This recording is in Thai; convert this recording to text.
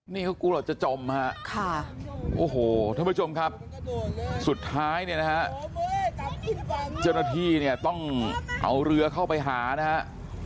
นี่เขากลัวจะจมฮะโอ้โฮทุกผู้ชมครับสุดท้ายนี่นะฮะจนที่ต้องเอาเรือเข้าไปหานะฮะ